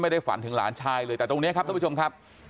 ฝันถึงหลานชายเลยแต่ตรงนี้ครับท่านผู้ชมครับ